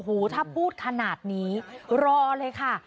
ถ้าพูดขนาดนี้รอเลยค่ะ